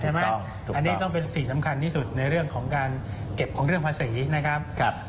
อันนี้ต้องเป็นสิ่งสำคัญที่สุดในเรื่องของการเก็บของเรื่องภาษีนะครับ